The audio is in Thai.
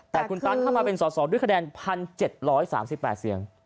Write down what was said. แต่คุณตันเข้ามาเป็นสอสอด้วยคะแนน๑๗๓๘เสียง